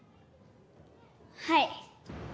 はい。